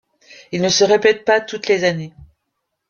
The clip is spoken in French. Il ne se répète pas toutes les années.